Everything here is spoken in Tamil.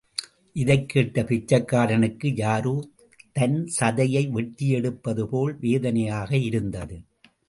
இதைக்கேட்ட பிச்சைக்காரனுக்கு, யாரோ தன் சதையை வெட்டியெடுப்பது போல் வேதனையாக இருந்தது.